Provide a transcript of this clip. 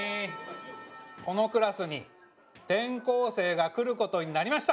このクラスに転校生が来る事になりました！